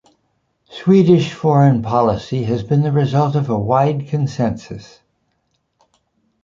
Swedish foreign policy has been the result of a wide consensus.